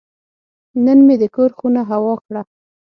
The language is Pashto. نن مې د کور خونه هوا کړه.